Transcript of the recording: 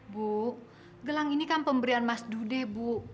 bu gelang ini kan pemberian mas dude bu